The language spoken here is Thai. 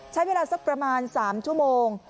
ใช้เวลาสักประมาณ๓ชั่วโมง